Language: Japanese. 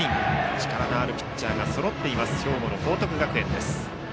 力のあるピッチャーがそろっている兵庫の報徳学園です。